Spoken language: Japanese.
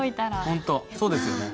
本当そうですよね。